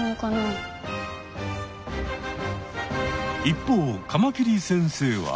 一方カマキリ先生は。